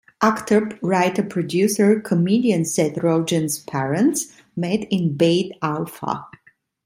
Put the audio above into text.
Actor, writer, producer, comedian Seth Rogen's parents met in Beit Alfa.